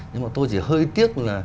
nhưng mà tôi chỉ hơi tiếc là